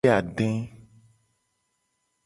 Woeade.